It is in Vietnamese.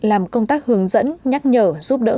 làm công tác hướng dẫn nhắc nhở giúp đỡ